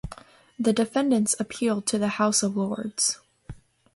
The defendants appealed to the House of Lords.